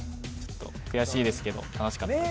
悔しいですけど楽しかったです